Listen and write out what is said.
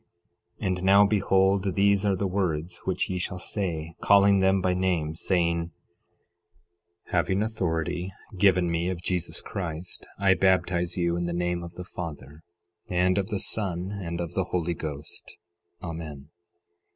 11:24 And now behold, these are the words which ye shall say, calling them by name, saying: 11:25 Having authority given me of Jesus Christ, I baptize you in the name of the Father, and of the Son, and of the Holy Ghost. Amen.